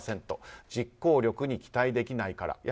実行力に期待できないから。